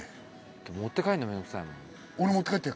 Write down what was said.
持って帰るの面倒くさいもん。